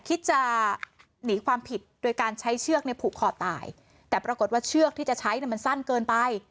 คิดจะหนีความผิดโดยการใช้เชือกเนี่ยผูกคอตายแต่ปรากฏว่าเชือกที่จะใช้เนี่ยมันสั้นเกินไป